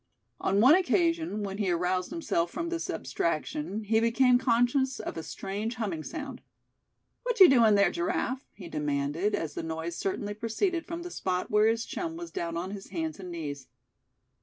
On one occasion, when he aroused himself from this abstraction he became conscious of a strange humming sound. "What you doin' there, Giraffe?" he demanded, as the noise certainly proceeded from the spot where his chum was down on his hands and knees.